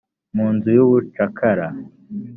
mu nzu y’ubucakara.